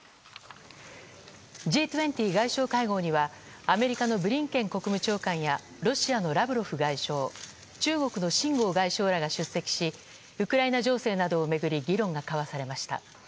Ｇ２０外相会合にはアメリカのブリンケン国務長官やロシアのラブロフ外相中国のシン・ゴウ外相らが出席しウクライナ情勢などを巡り議論が交わされました。